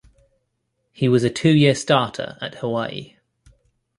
He was a two-year starter at Hawaii.